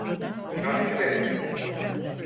Çarkçı Bey!